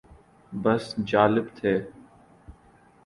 بس جالب تھے۔